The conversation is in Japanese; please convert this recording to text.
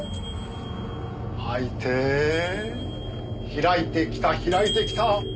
開いてきた開いてきた！